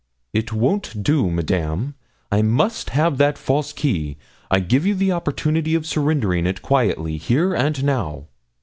'It won't do, Madame; I must have that false key. I give you the opportunity of surrendering it quietly here and now.'